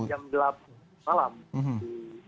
jam delapan malam